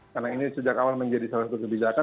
karena ini sejak awal menjadi salah satu kebijakan